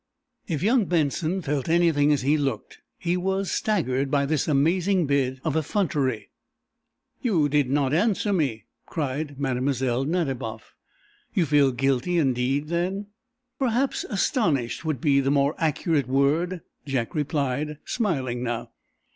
If young Benson felt anything as he looked, he was staggered by this amazing bit of effrontery. "You do not answer me," cried Mlle. Nadiboff. "You feel guilty indeed, then?" "Perhaps 'astonished' would be the more accurate word," Jack replied, smiling now.